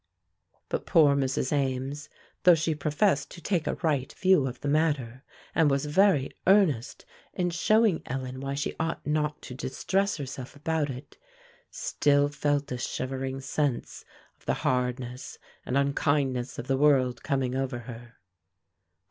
But poor Mrs. Ames, though she professed to take a right view of the matter, and was very earnest in showing Ellen why she ought not to distress herself about it, still felt a shivering sense of the hardness and unkindness of the world coming over her.